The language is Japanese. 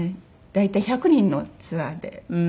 大体１００人のツアーで。